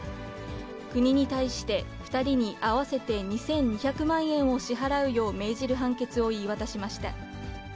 国に対して、２人に合わせて２２００万円を支払うよう命じる判決を言い渡しました。